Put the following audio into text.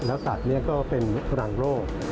แล้วสัตว์ก็เป็นรังโรค